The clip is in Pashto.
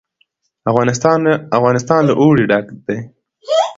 افغانستان له اوړي ډک دی.